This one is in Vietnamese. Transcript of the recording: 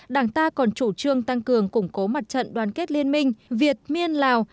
đảng ta còn chủ trương tăng cường củng cố mặt trận đoàn kết liên minh việt miên lào